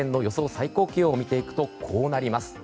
最高気温を見ていくとこうなります。